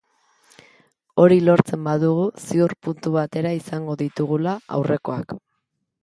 Hori lortzen badugu ziur puntu batera izango ditugula aurrekoak.